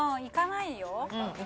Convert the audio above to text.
行かないよ。